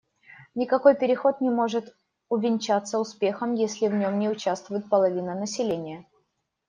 Никакой переход не может увенчаться успехом, если в нем не участвует половина населения.